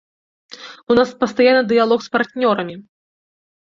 У нас пастаянны дыялог з партнёрамі.